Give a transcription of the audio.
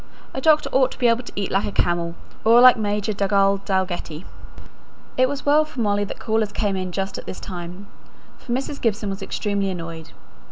A doctor ought to be able to eat like a camel, or like Major Dugald Dalgetty." It was well for Molly that callers came in just at this time, for Mrs. Gibson was extremely annoyed.